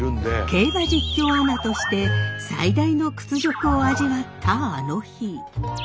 競馬実況アナとして最大の屈辱を味わったあの日。